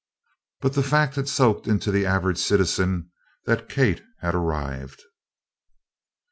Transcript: But the fact had soaked into the average citizen that Kate had "arrived."